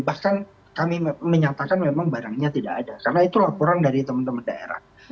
bahkan kami menyatakan memang barangnya tidak ada karena itu laporan dari teman teman daerah